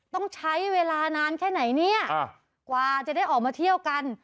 ต้องใช้เวลานานแค่ไหนเนี่ยกว่าจะได้ออกมาเที่ยวกัน